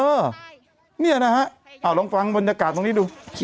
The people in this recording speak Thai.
เออเนี่ยนะฮะลองฟังบรรยากาศตรงนี้ดู